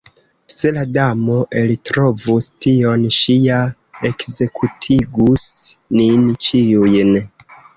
Se la Damo eltrovus tion, ŝi ja ekzekutigus nin ĉiujn.